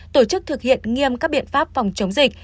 tổ chức thực hiện nghiêm các biện pháp phòng chống dịch